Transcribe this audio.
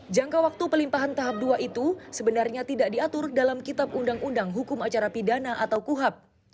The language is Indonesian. jangka waktu pelimpahan tahap dua itu sebenarnya tidak diatur dalam kitab undang undang hukum acara pidana atau kuhap